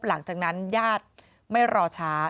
หลังจากนั้นญาติไม่รอช้า